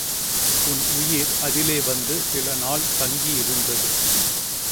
உன் உயிர் அதிலே வந்து சில நாள் தங்கியிருந்தது.